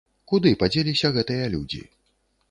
Куды падзеліся гэтыя людзі?